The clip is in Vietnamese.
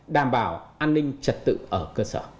đảm bảo an ninh trật tự ở cơ sở